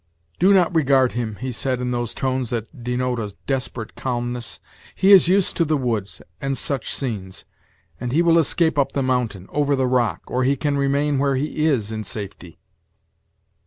"Do not regard him," he said, in those tones that de note a desperate calmness; "he is used to the woods, and such scenes; and he will escape up the mountain over the rock or he can remain where he is in safety."